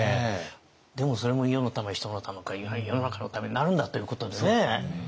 でもそれも世のため人のため世の中のためになるんだということでね。